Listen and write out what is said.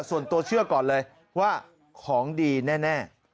ส่วนตัวเชื่อก่อนเลยว่าของดีแน่